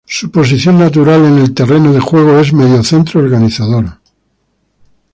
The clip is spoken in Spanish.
Su posición natural en el terreno de juego es mediocentro organizador.